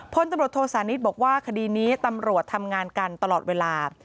พลตำรวจโทษานิทบอกว่าคดีนี้ตำรวจทำงานกันตลอดเวลา